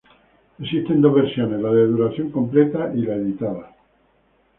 Existen dos versiones, la de duración completa y la editada.